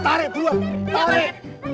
tarik dulu tarik